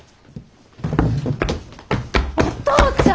お父ちゃん！